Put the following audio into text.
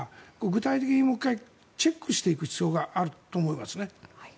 具体的にもう一回チェックしていく必要があると思いますね。